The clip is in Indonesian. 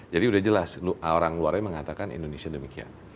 jadi sudah jelas orang luar mengatakan indonesia demikian